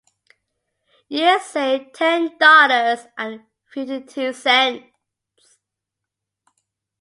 You saved ten dollars and fifty-two cents!